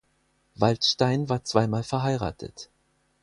Waldstein war zweimal verheiratet.